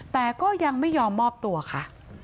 แต่ก็ยังไม่ยอมมอบตัวค่ะ